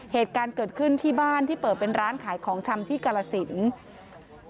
เหตุการณ์เกิดขึ้นที่บ้านที่เปิดเป็นร้านขายของชำที่กรสิน